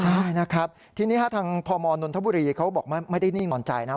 ใช่นะครับทีนี้ทางพมนนทบุรีเขาบอกไม่ได้นิ่งนอนใจนะ